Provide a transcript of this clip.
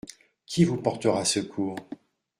Qui vous portera secours ?